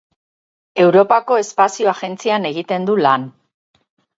Europako Espazio Agentzian egiten du lan.